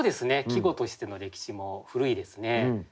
季語としての歴史も古いですね。